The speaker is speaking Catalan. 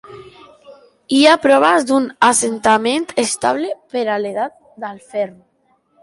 Hi ha proves d'un assentament estable per a l'Edat del Ferro.